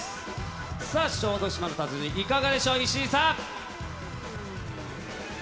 さあ、小豆島の達人、いかがでしょう、石井さん。